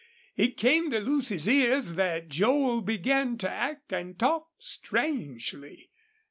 It came to Lucy's ears that Joel began to act and talk strangely.